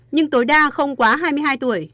nhưng tối đa không quá hai mươi hai tuổi